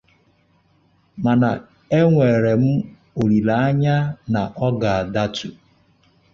mana enwere m olile anya na ọ ga-adatu